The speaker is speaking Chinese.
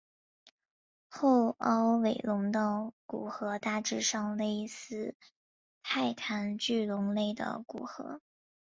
后凹尾龙的骨骸大致上类似泰坦巨龙类的骨骸。